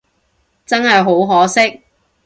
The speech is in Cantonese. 真係好可惜